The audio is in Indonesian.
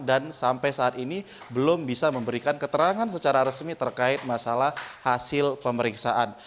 dan sampai saat ini belum bisa memberikan keterangan secara resmi terkait masalah hasil pemeriksaan